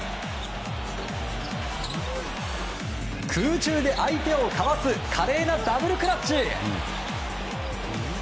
空中で相手をかわす華麗なダブルクラッチ。